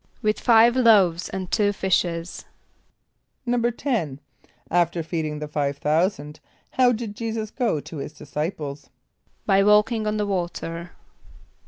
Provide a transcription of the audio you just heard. =With five loaves and two fishes.= =10.= After feeding the five thousand, how did J[=e]´[s+]us go to his disciples? =By walking on the water.